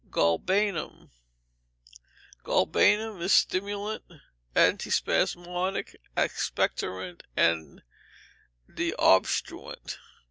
Galbanum Galbanum is stimulant, antispasmodic, expectorant, and deobstruent.